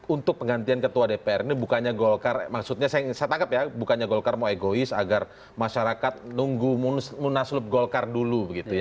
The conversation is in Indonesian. untuk penggantian ketua dpr ini bukannya golkar maksudnya saya tangkap ya bukannya golkar mau egois agar masyarakat nunggu munaslup golkar dulu